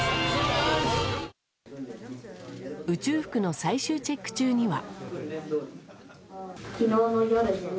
宇宙服の最終チェック中には。